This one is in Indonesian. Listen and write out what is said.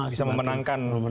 bisa memenangkan nomor dua